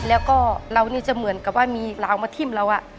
แล้วก็เรานี่จะเหมือนกับว่ามีราวมาทิ้มเรา